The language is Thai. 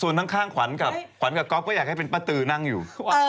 ส่วนข้างขวัญกับก๊อบก็อยากให้เป็นปะตือนั่งอยู่